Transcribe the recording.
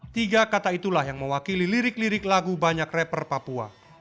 tiga kata itulah yang mewakili lirik lirik lagu banyak rapper papua